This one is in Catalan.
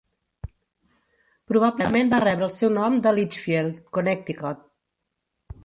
Probablement va rebre el seu nom de Litchfield, Connecticut.